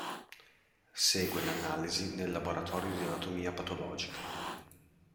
Segue l'analisi nel laboratorio di anatomia patologica.